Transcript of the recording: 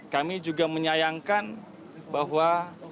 kami juga menyayangkan bahwa